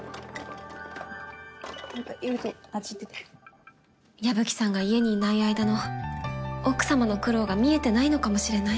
彩香由衣とあっち矢吹さんが家にいない間の奥様の苦労が見えてないのかもしれない。